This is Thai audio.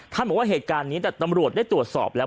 บอกว่าเหตุการณ์นี้แต่ตำรวจได้ตรวจสอบแล้ว